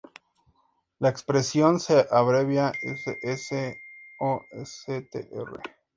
La expresión se abrevia s. s. o s. str.